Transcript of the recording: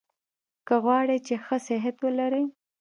که غواړی چي ښه صحت ولرئ؟